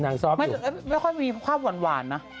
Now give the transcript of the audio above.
ซ้อมไม่ค่อยมีภาพหวานนะ